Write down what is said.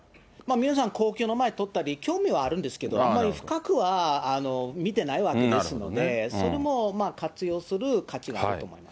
皆さん、皇居の前通ったり、興味はあるんですけど、あんまり深くは見てないわけですので、それもまあ活用する価値があると思います。